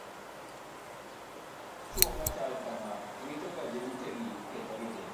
Chuo machal kamaa wito ga joutegi kendo gidhi